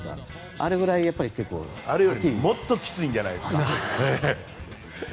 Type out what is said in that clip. あれよりももっときついんじゃないですか。